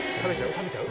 食べちゃう？